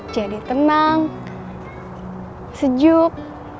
jadi tenang sejuk